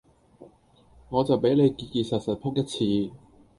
我就俾你結結實實仆一次